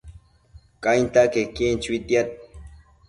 Cainta quequin chuitiad